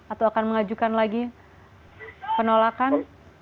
atau akan mengajukan lagi penolakan